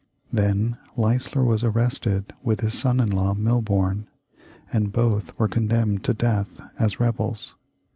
Then Leisler was arrested, with his son in law, Milborne, and both were condemned to death as rebels.